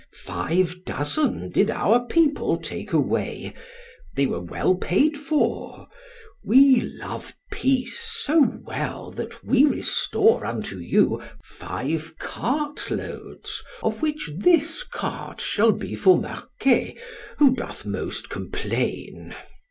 Five dozen did our people take away: they were well paid for: we love peace so well that we restore unto you five cartloads, of which this cart shall be for Marquet, who doth most complain.